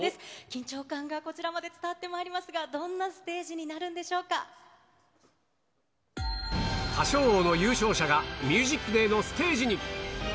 緊張感がこちらも伝わってまいりますが、どんなステージになるん歌唱王の優勝者が、ＴＨＥＭＵＳＩＣＤＡＹのステージに。